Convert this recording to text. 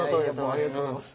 ありがとうございます。